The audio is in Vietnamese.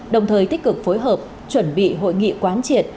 đồng thời tích cực phối hợp chuẩn bị hội nghị quán triệt